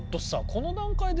この段階で。